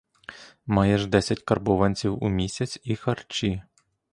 Маєш десять карбованців у місяць і харчі.